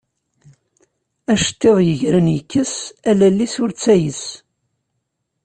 Acettiḍ, yegren yekkes, a lall-is ur ttayes.